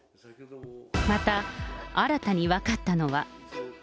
また、新たに分かったのは。